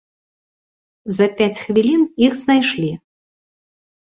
За пяць хвілін іх знайшлі.